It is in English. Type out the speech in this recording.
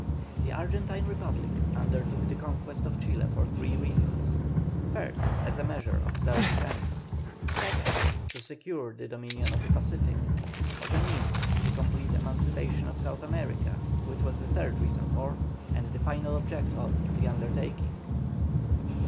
The Argentine Republic undertook the conquest of Chile for three reasons: first, as a measure of self defence; second, to secure the dominion of the Pacific; as a means to the complete emancipation of South America, which was the third reason for, and the final object of, the undertaking.